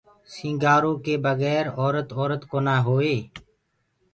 سينٚگآرو ڪي بگير اورَت اورَت ڪونآ هوئي۔